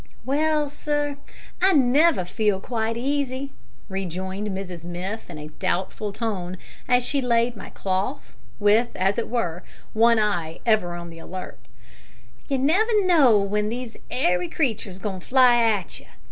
"Well, sir, I never feel quite easy," rejoined Mrs Miff in a doubtful tone, as she laid my cloth, with, as it were, one eye ever on the alert: "you never knows w'en these 'airy creatures is goin' to fly at you.